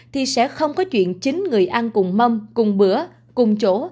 thì sẽ không có chuyện chính người ăn cùng mâm cùng bữa cùng chỗ